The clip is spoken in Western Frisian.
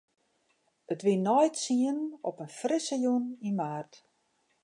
It wie nei tsienen op in frisse jûn yn maart.